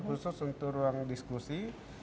khusus untuk ruang diskusi